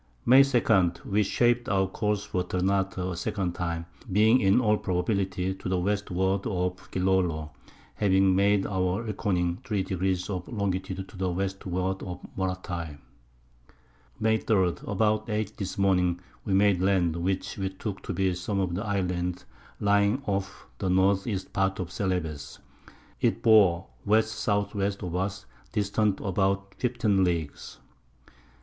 May 2. We shaped our Course for Ternate a second Time, being in all Probability to the Westward of Gillolo, having made by our Reckoning 3 Degrees of Longitude to the Westward of Moratay. May 3. About 8 this Morning we made Land, which we took to be some of the Islands lying off the N. East Part of Celebes. It bore W. S. W. of us, distant about 15 Leagues.